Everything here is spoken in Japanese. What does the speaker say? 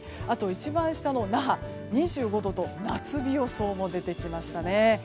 あと、一番下の那覇、２５度と夏日予想も出てきました。